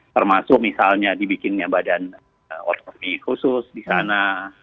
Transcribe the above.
termasuk misalnya dibikinnya badan otonomi khusus di sana